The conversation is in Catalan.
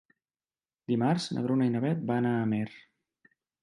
Dimarts na Bruna i na Beth van a Amer.